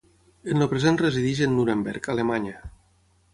En el present resideix en Nuremberg, Alemanya.